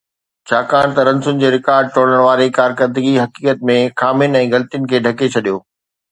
ڇاڪاڻ ته رنسن جي رڪارڊ ٽوڙڻ واري ڪارڪردگي حقيقت ۾ خامين ۽ غلطين کي ڍڪي ڇڏيو